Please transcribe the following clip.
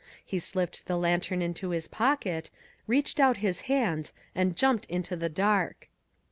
He slipped the lantern into his pocket, reached out his hands, and jumped into the dark.